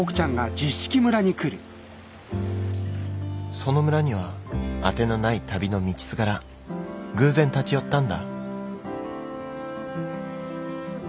その村には当てのない旅の道すがら偶然立ち寄ったんだ。